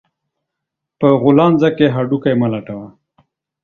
په غولانځه کې هډو کى مه لټوه